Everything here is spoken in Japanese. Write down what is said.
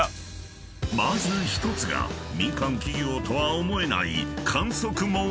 ［まず１つが民間企業とは思えない］